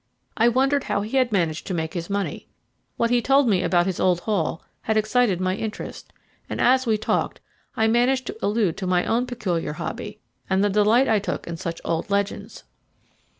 I wondered how he had managed to make his money. What he told me about his old Hall also excited my interest, and as we talked I managed to allude to my own peculiar hobby, and the delight I took in such old legends.